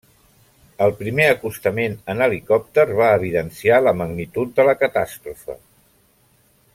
El primer acostament en helicòpter va evidenciar la magnitud de la catàstrofe.